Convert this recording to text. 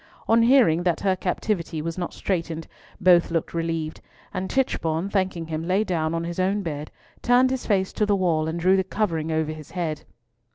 On hearing that her captivity was not straitened, both looked relieved, and Tichborne, thanking him, lay down on his own bed, turned his face to the wall, and drew the covering over his head.